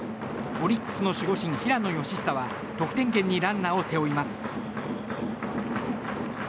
オリックスの守護神・平野佳寿は得点圏にランナーを背負います。